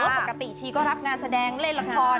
หรือว่าปกติชีก็รับงานแสดงเล่นละคร